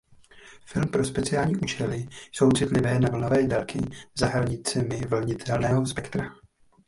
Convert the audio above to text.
Filmy pro speciální účely jsou citlivé na vlnové délky za hranicemi viditelného spektra.